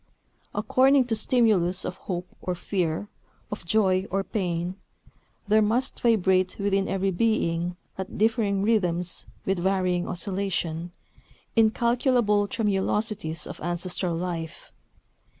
According to stimulus of hope or fear, of joy or pain, there must vibrate within every being, at differing rhythms, with varying oscillation, incalculable tremulosities of ancestral life.